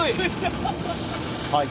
はい。